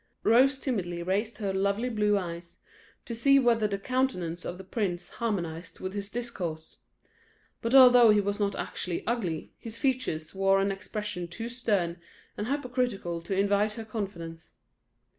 Rose timidly raised her lovely blue eyes, to see whether the countenance of the prince harmonised with his discourse; but although he was not actually ugly, his features wore an expression too stern and hypocritical to invite her confidence.